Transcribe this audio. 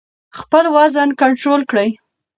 خپل وزن کنټرول کړئ.